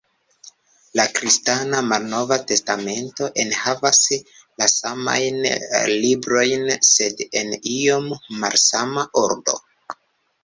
La kristana "Malnova Testamento" enhavas la samajn librojn, sed en iom malsama ordo.